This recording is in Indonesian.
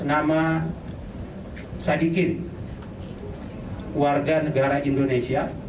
karena ada kecurigaan kami bahwa yang bersangkutan bukan warga negara indonesia